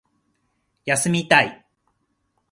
休みたい